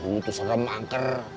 dulu tuh serem angker